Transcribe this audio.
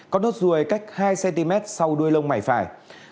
có nốt ruồi cách hai cm sau đuôi lông mày phải